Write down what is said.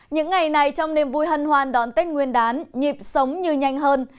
những ngày này trong niềm vui hân hoan đón tết nguyên đán nhịp sống như nhanh hơn